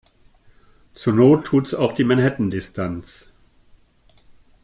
Zur Not tut's auch die Manhattan-Distanz.